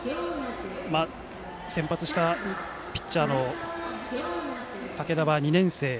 先発したピッチャーの竹田は２年生。